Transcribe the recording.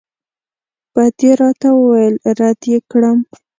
بد یې راته وویل رد یې کړم.